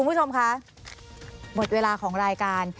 คุณผู้ชมคะหมดเวลาของรายการ